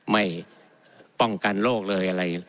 ไม่ป้องกันโลกเลย